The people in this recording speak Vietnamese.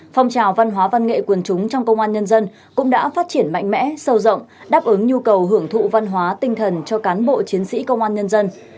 phong trào văn hóa văn nghệ quần chúng trong công an nhân dân cũng đã phát triển mạnh mẽ sâu rộng đáp ứng nhu cầu hưởng thụ văn hóa tinh thần cho cán bộ chiến sĩ công an nhân dân